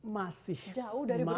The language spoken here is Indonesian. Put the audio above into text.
masih jauh dari berkurang